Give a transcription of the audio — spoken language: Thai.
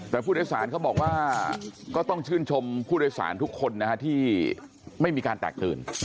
แต่ผู้โดยสารเขาบอกว่าก็ต้องชื่นชมผู้โดยสารทุกคนนะฮะที่ไม่มีการแตกตื่น